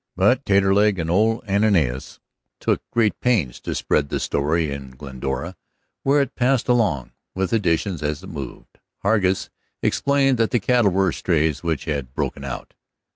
But Taterleg and old Ananias took great pains to spread the story in Glendora, where it passed along, with additions as it moved. Hargus explained that the cattle were strays which had broken out.